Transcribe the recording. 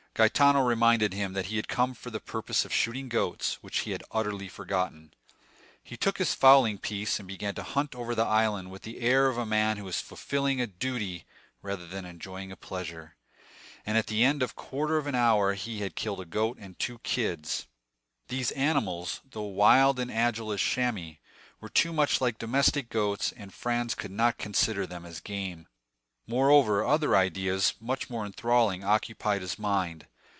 Gaetano reminded him that he had come for the purpose of shooting goats, which he had utterly forgotten. He took his fowling piece, and began to hunt over the island with the air of a man who is fulfilling a duty, rather than enjoying a pleasure; and at the end of a quarter of an hour he had killed a goat and two kids. These animals, though wild and agile as chamois, were too much like domestic goats, and Franz could not consider them as game. Moreover, other ideas, much more enthralling, occupied his mind.